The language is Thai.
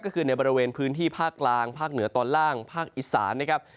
ก็คือในบริเวณพื้นที่ภาคกลางภาคเหนือตอนล่างภาคอีสานนะครับ